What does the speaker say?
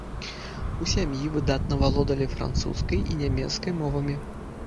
У сям'і выдатна валодалі французскай і нямецкай мовамі.